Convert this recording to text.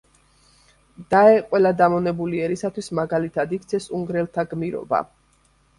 დაე, ყველა დამონებული ერისათვის მაგალითად იქცეს უნგრელთა გმირობა!